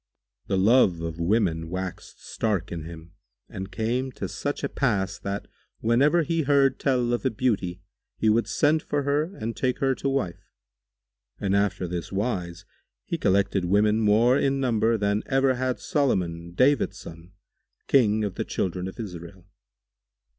The love of women waxed stark in him and came to such a pass that, whenever he heard tell of a beauty, he would send for her and take her to wife; and after this wise, he collected women more in number than ever had Solomon, David son, King of the children of Israel.